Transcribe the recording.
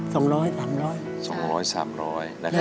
โหนานแล้ว